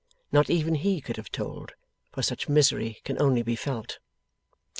Not even he could have told, for such misery can only be felt.